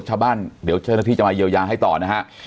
ชาวบ้านเดี๋ยวเจ้าหน้าที่จะมาเยียวยาให้ต่อนะฮะ